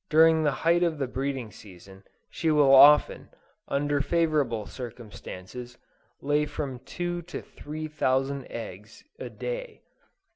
During the height of the breeding season, she will often, under favorable circumstances, lay from two to three thousand eggs, a day!